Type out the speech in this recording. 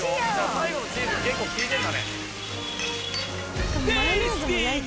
最後のチーズが結構きいてんだね。